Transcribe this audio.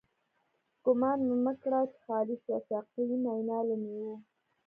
ګومان مه کړه چی خالی شوه، ساقی مينا له ميو